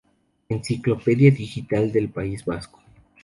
Enciclopedia digital del País Vasco.